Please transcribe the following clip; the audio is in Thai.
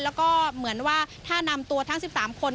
แล้วก็เหมือนว่าถ้านำตัวทั้ง๑๓คน